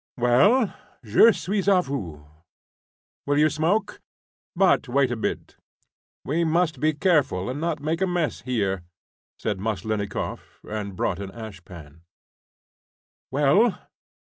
"Well? Je suis a vous. Will you smoke? But wait a bit; we must be careful and not make a mess here," said Maslennikoff, and brought an ashpan. "Well?"